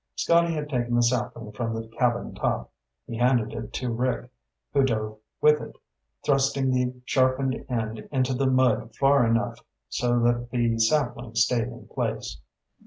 Scotty had taken the sapling from the cabin top. He handed it to Rick, who dove with it, thrusting the sharpened end into the mud far enough so that the sapling stayed in place.